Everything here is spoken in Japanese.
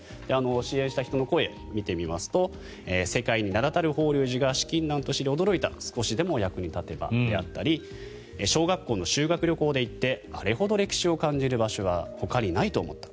支援した人の声を見てみますと世界に名立たる法隆寺が資金難と知り驚いた少しでも役に立てばであったり小学校の修学旅行で行ってあれほど歴史を感じる場所はほかにないと思った